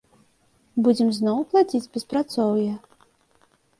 Будзем зноў пладзіць беспрацоўе?